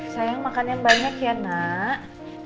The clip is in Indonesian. sayang makan yang banyak ya nak